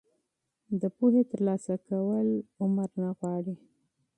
د پوهې ترلاسه کول عمر نه غواړي.